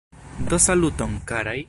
Do saluton, karaj!